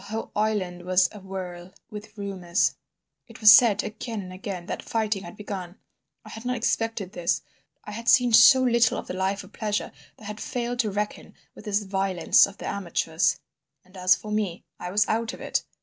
The whole island was awhirl with rumours; it was said, again and again, that fighting had begun. I had not expected this. I had seen so little of the life of pleasure that I had failed to reckon with this violence of the amateurs. And as for me, I was out of it.